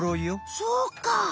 そうか。